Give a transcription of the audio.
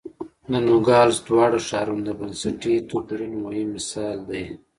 د نوګالس دواړه ښارونه د بنسټي توپیرونو مهم مثال دی.